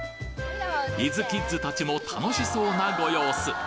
伊豆キッズたちも楽しそうなご様子！